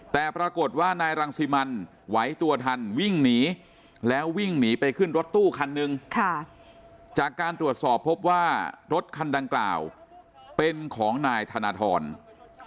แต่ปรากฏว่านายรังสิมันไหวตัวทันวิ่งหนีแล้ววิ่งหนีไปขึ้นรถตู้คันนึงจากการตรวจสอบพบว่ารถคันดังกล่าวเป็นของนายธนทร